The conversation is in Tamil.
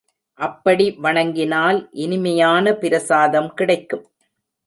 அப்படி வணங்கினால் இனிமையான பிரசாதம் கிடைக்கும்.